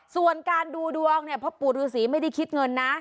ส่วนการดูดวงเนี่ยพ่อปู่ฤษีไม่ได้คิดเงินนะ